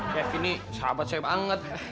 kevin ini sahabat saya banget